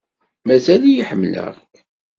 Mazal-iyi ḥemmleɣ-k.